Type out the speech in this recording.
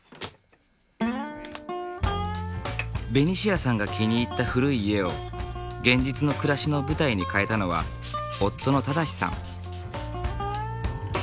ベニシアさんが気に入った古い家を現実の暮らしの舞台に変えたのは夫の正さん。